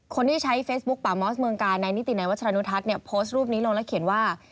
คนที่ใช้เฟซบุ๊คป่ามอสเมืองกาลในนิตินัยวัชรนุทัศน์เนี่ยโพสต์รูปนี้ลงแล้วเขียนว่า